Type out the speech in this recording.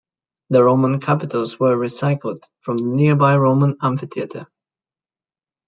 The Roman capitals were recycled from the nearby Roman amphitheatre.